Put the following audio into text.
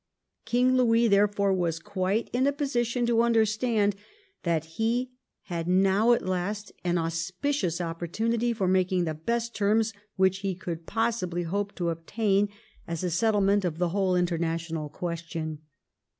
King Louis therefore was quite in a position to understand that he had now at last an auspicious opportunity for making the best terms which he could possibly hope to obtain as a settlement of the whole international question.